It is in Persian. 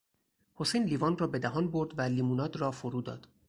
حسین لیوان را به دهان برد و لیموناد را فرو داد.